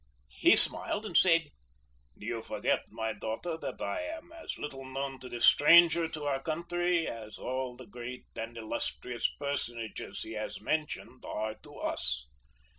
He smiled and said: "You forget, my daughter, that I am as little known to this stranger to our country as all the great and illustrious personages he has mentioned are to us."